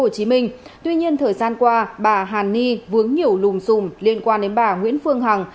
hồ chí minh tuy nhiên thời gian qua bà hàn ni vướng nhiều lùm xùm liên quan đến bà nguyễn phương hằng